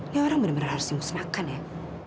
ini orang bener bener harus dimusnahkan ya